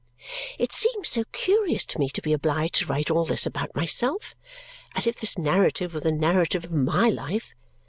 It seems so curious to me to be obliged to write all this about myself! As if this narrative were the narrative of MY life!